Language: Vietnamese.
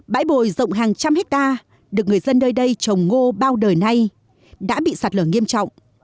bãi bồi rộng hàng trăm hectare được người dân nơi đây trồng ngô bao đời nay đã bị sạt lở nghiêm trọng